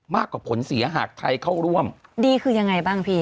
ผลเสียหากไทยเข้าร่วมดีคือยังไงบ้างพี่